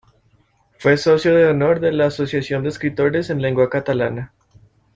Fue socio de honor de la Asociación de Escritores en Lengua Catalana.